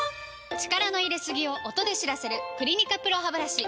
力の入れすぎを音で知らせる「クリニカＰＲＯハブラシ」